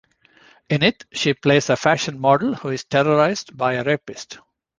In it, she plays a fashion model who is terrorized by a rapist.